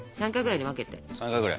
３回ぐらいに分けて。